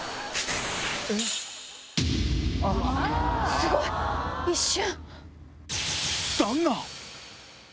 すごい！一瞬！